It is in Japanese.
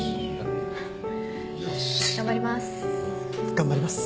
頑張ります。